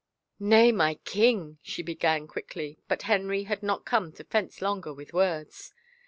" Nay, my king," she began quickly but Henry had not come to fence longer with words.